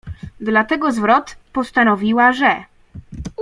Dlatego zwrot: „postanowiła, że.